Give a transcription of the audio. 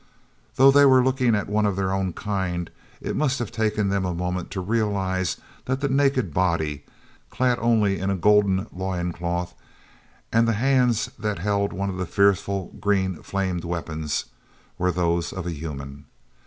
Though they were looking at one of their own kind, it must have taken then a moment to realize that the naked body, clad only in a golden loin cloth, and the hands that held one of the fearful, green flamed weapons, were those of a human.